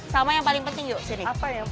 sama yang paling penting yuk sini